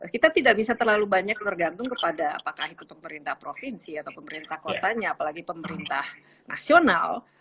kita tidak bisa terlalu banyak bergantung kepada apakah itu pemerintah provinsi atau pemerintah kotanya apalagi pemerintah nasional